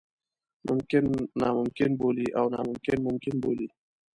ممکن ناممکن بولي او ناممکن ممکن بولي.